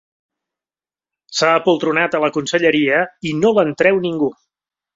S'ha apoltronat a la conselleria i no l'en treu ningú.